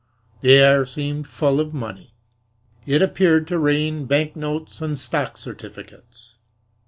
The air seemed full of money. It appeared to rain banknotes and stock certificates.